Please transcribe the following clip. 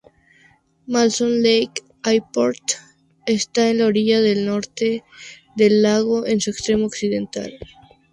Molson Lake Airport está en la orilla norte del lago, en su extremo occidental.